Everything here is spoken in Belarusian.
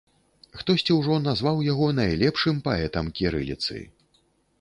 Хтосьці ўжо назваў яго найлепшым паэтам кірыліцы.